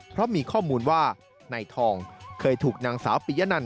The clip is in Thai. เพราะมีข้อมูลว่านายทองเคยถูกนางสาวปิยะนัน